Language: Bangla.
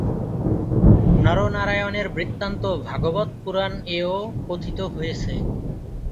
নর-নারায়ণের বৃত্তান্ত "ভাগবত পুরাণ"-এও কথিত হয়েছে।